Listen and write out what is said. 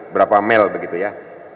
berapa mil begitu ya